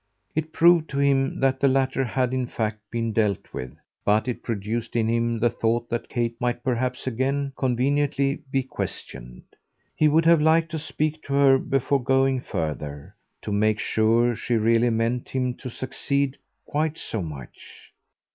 It proved to him that the latter had in fact been dealt with, but it produced in him the thought that Kate might perhaps again conveniently be questioned. He would have liked to speak to her before going further to make sure she really meant him to succeed quite so much.